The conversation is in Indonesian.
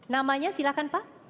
namanya silahkan pak